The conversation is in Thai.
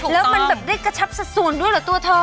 แล้วมันแบบได้กระชับสัดศูนย์ด้วยเหรอตัวเธอ